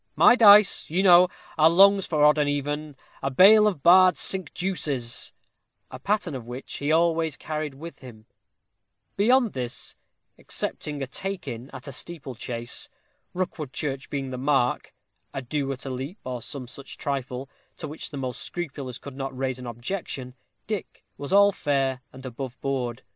My dice, you know, are longs for odd and even, a bale of bar'd cinque deuces," a pattern of which he always carried with him; beyond this, excepting a take in at a steeple chase, Rookwood church being the mark, a "do" at a leap, or some such trifle, to which the most scrupulous could not raise an objection, Dick was all fair and above board.